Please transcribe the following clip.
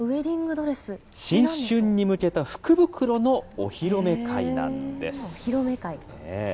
新春に向けた福袋のお披露目お披露目会。